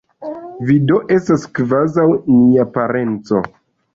Vi do estas kvazaŭ nia parenco.